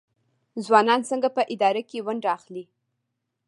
ځوانان څنګه په اداره کې ونډه اخلي؟